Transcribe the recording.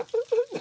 何？